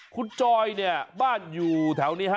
คุณจอยเนี่ยบ้านอยู่แถวนี้ฮะ